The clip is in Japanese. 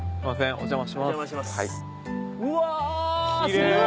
お邪魔します。